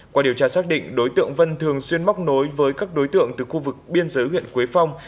qua điều tra xác định đối tượng vân thường xuyên móc nối với các đối tượng từ khu vực biên giới huyện quế phong